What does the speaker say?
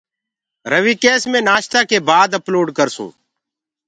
رويٚ ڪيس مي نآشتآ ڪي بآد اپلوڊ ڪرسونٚ